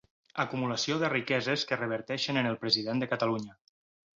Acumulació de riqueses que reverteixen en el president de Catalunya.